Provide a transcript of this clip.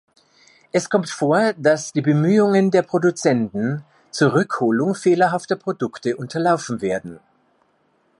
Es kommt vor, dass die Bemühungen der Produzenten zur Rückholung fehlerhafter Produkte unterlaufen werden.